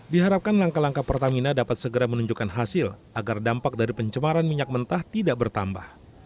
diharapkan langkah langkah pertamina dapat segera menunjukkan hasil agar dampak dari pencemaran minyak mentah tidak bertambah